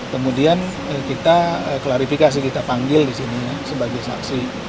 kemudian kita klarifikasi kita panggil di sini sebagai saksi